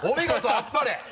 あっぱれ！